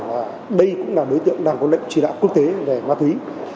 và đây cũng là đối tượng đang có lệnh truy nã quốc tế về ma túy